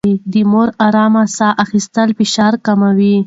د مور ارام ساه اخيستل فشار کموي.